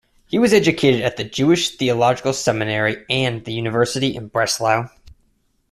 He was educated at the Jewish Theological Seminary and the University in Breslau.